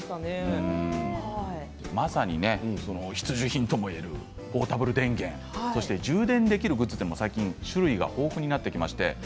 まさに必需品ともいえるポータブル電源そして、充電できるグッズも最近種類が豊富になってきました。